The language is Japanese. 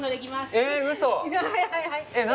えっ？